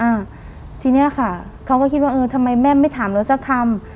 อ่าทีเนี้ยค่ะเขาก็คิดว่าเออทำไมแม่ไม่ถามเราสักคำ